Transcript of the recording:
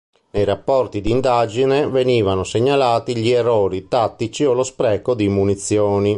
Nei rapporti di indagine venivano segnalati gli errori tattici o lo spreco di munizioni.